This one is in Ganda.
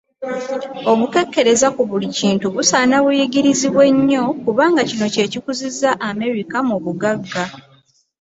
Obukekkereza ku buli kintu busaana buyigirizibwe nnyo kubanga kino kye kikuzizza America mu bugagga.